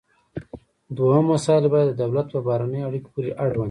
دوهم مسایل باید د دولت په بهرنیو اړیکو پورې اړوند وي